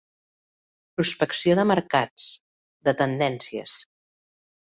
Prospecció de mercats, de tendències.